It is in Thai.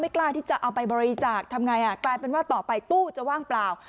กล้าที่จะเอาไปบริจาคทำไงอ่ะกลายเป็นว่าต่อไปตู้จะว่างเปล่า